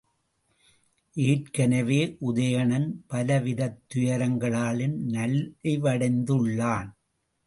ஏற்கெனவே உதயணன் பலவிதத் துயரங்களாலும் நலிவடைந்துள்ளான்.